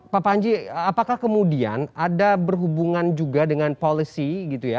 pak panji apakah kemudian ada berhubungan juga dengan policy gitu ya